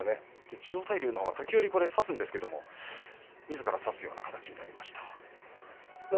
千代大龍が時折差すんですがみずから差すような形になりました。